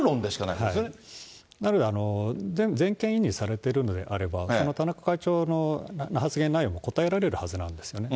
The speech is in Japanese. なので、全権委任されているのであれば、その田中会長の発言内容も答えられるはずなんですよね。